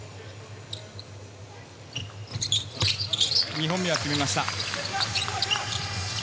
２本目は決めました。